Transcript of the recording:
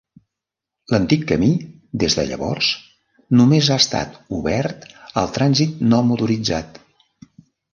L'antic camí des de llavors només ha estat obert al trànsit no motoritzat.